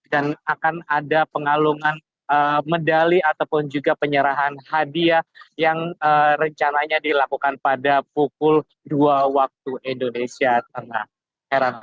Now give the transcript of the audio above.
dan akan ada pengalungan medali ataupun juga penyerahan hadiah yang rencananya dilakukan pada pukul dua waktu indonesia tengah